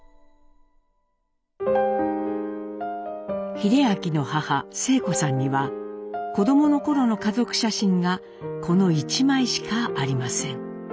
英明の母晴子さんには子供の頃の家族写真がこの一枚しかありません。